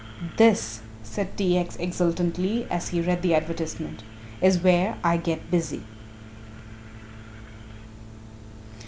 "This," said T. X. exultantly, as he read the advertisement, "is where I get busy."